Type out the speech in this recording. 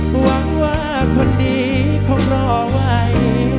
หวังว่าคนดีคงรอไว้